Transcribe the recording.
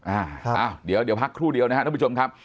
อ่าครับอ้าวเดี๋ยวพักครู่เดียวนะครับท่านผู้ชมครับ